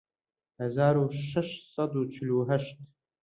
هەزار و شەش سەد و چل و هەشت